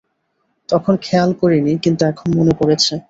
তখন খেয়াল করিনি কিন্তু এখন মনে পড়ছে।